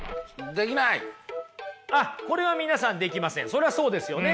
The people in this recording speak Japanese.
それはそうですよね。